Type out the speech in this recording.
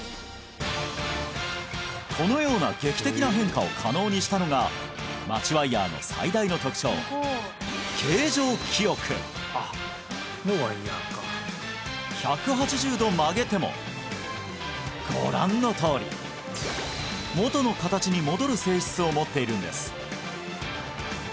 このような劇的な変化を可能にしたのがマチワイヤーの最大の特徴形状記憶１８０度曲げてもご覧のとおり元の形に戻る性質を持っているんです